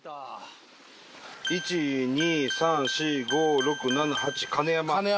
１２３４５６７８金山。